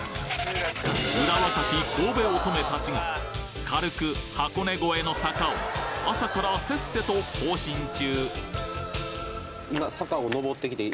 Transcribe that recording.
うら若き神戸乙女たちが軽く箱根超えの坂を朝からせっせと行進中！